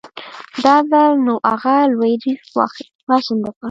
دا ځل نو اغه لوی ريسک واخېست.